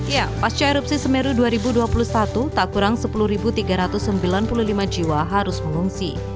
ya pasca erupsi semeru dua ribu dua puluh satu tak kurang sepuluh tiga ratus sembilan puluh lima jiwa harus mengungsi